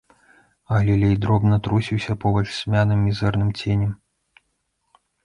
Галілей дробна трусіўся побач цьмяным мізэрным ценем.